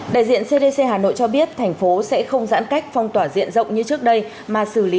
đại diện cdc hà nội cho biết thành phố sẽ không giãn cách phong tỏa diện rộng như trước đây mà xử lý